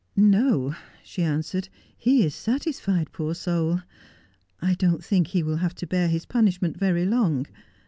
' No,' she answered. ' He is satisfied, poor soul. I don't think he will have to bear his punishment very long.